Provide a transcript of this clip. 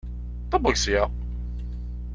Ṭebbeg sya!